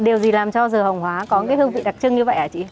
điều gì làm cho dừa hoàng hóa có cái hương vị đặc trưng như vậy hả chị